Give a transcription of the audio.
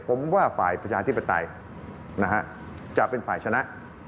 ผมว่าฝ่ายประชาธิปไตยจะเป็นฝ่ายชนะ